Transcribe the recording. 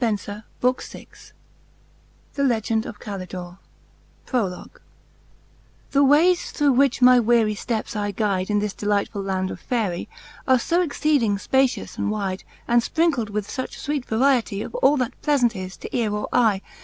Contayning The Legende of S. Calidore OR Of courtesie. I. TH E Wales, through which my weary fteps I guyde In this delightful! land of Faery, Are fb exceeding fpacious and wyde, And fprinckled with fuch fwcet variety, Of all that plealant is to eare or eye.